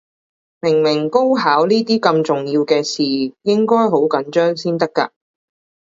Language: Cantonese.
明明高考呢啲咁重要嘅事，應該好緊張先得㗎